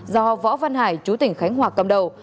do võ văn hải chú tỉnh khánh hòa cầm đầu